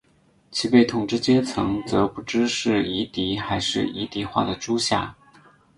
其被统治阶层则不知是夷狄还是夷狄化的诸夏。